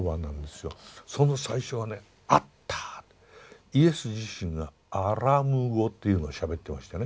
その最初はねアッターイエス自身がアラム語というのをしゃべってましてね